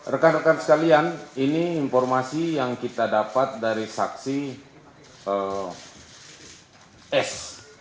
rekan rekan sekalian ini informasi yang kita dapat dari saksi s